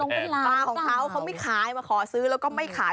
ปลาของเขาเขาไม่ขายมาขอซื้อแล้วก็ไม่ขาย